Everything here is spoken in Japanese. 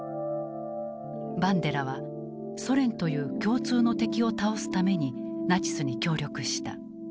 バンデラはソ連という共通の敵を倒すためにナチスに協力した。